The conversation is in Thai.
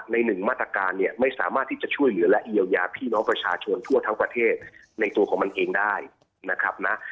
หนึ่งมาตรการเนี่ยไม่สามารถที่จะช่วยเหลือและเยียวยาพี่น้องประชาชนทั่วทั้งประเทศในตัวของมันเองได้นะครับนะ